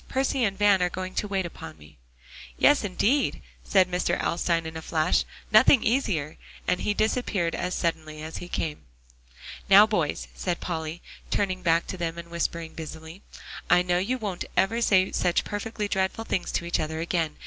Percy and Van are going to wait upon me." "Yes, indeed," said Mr. Alstyne in a flash, "nothing easier;" and he disappeared as suddenly as he came. "Now, boys," said Polly, turning back to them and whispering busily, "I know you won't ever say such perfectly dreadful things to each other again.